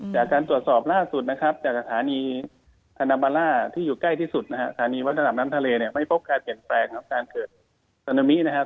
จากการตรวจสอบล่าสุดนะครับจากสถานีฮานาบาล่าที่อยู่ใกล้ที่สุดนะฮะสถานีวัฒนาน้ำทะเลเนี่ยไม่พบการเปลี่ยนแปลงของการเกิดซึนามินะครับ